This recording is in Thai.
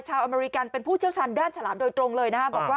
ชายอเมริกันเป็นผู้เชี่ยวชันด้านฉลามโดยตรงเลย